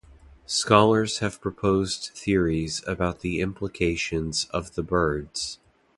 Scholars have proposed theories about the implications of the birds.